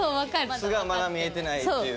素がまだ見えてないっていう。